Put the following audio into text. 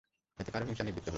এতেও তার হিংসা নিবৃত্ত হল না।